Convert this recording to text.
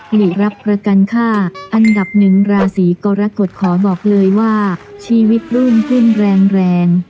หลีรับประกันค่าอันดับหนึ่งราศีกรกฎขอบอกเลยว่าชีวิตรุ่งขึ้นแรงแรง